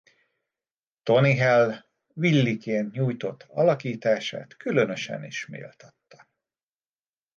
Tony Hale Villiként nyújtott alakítását különösen is méltatta.